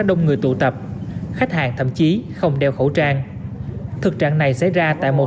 đông người tụ tập khách hàng thậm chí không đeo khẩu trang thực trạng này xảy ra tại một